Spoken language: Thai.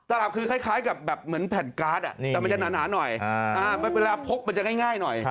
หลับคือคล้ายกับแบบเหมือนแผ่นการ์ดแต่มันจะหนาหน่อยเวลาพกมันจะง่ายหน่อย